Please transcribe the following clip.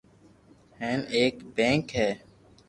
ھين اآڪ بيٺڪ ھي